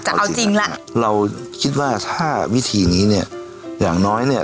แต่เอาจริงล่ะเราคิดว่าถ้าวิธีนี้เนี่ยอย่างน้อยเนี่ย